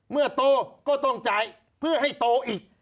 เมื่อโตก็ต้องจ่ายเพื่อให้โตอีก